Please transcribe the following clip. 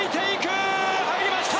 入りました！